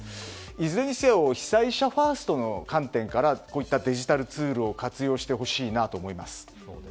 いずれにせよ被災者ファーストの観点からこういったデジタルツールを活用してほしいなと思います。